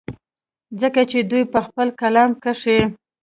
ځکه چې دوي پۀ خپل کلام کښې